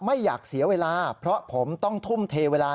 ไม่อยากเสียเวลาเพราะผมต้องทุ่มเทเวลา